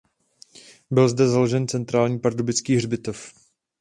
Byl zde založen centrální pardubický hřbitov.